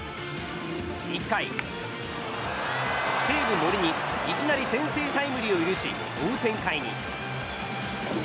１回、西武、森にいきなり先制タイムリーを許し追う展開に。